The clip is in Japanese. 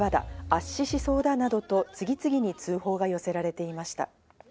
圧死しそうだなどと次々に通報が寄せられていました。